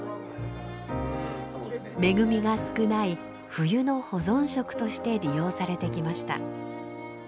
恵みが少ない冬の保存食として利用されてきました。